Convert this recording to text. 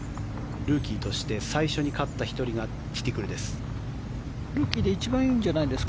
ルーキーとして最初に勝った１人がティティクルです。